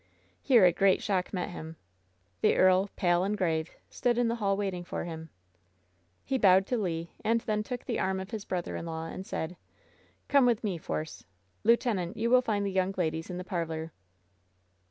Here a great shock met him. The earl, pale and grave, stood in the hall waiting for him. He bowed to Le, and then took the arm of his brother in law, and said: "Come with me, Force — lieutenant, you will find the young ladies in the parlor."